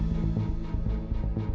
bikin banyaknya tuh ke login